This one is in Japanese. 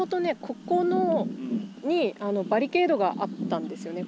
ここにバリケードがあったんですよね。